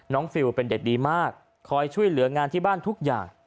ฟิลเป็นเด็กดีมากคอยช่วยเหลืองานที่บ้านทุกอย่าง